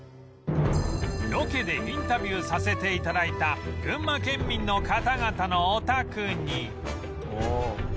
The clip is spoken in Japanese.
ロケでインタビューさせて頂いた群馬県民の方々のお宅に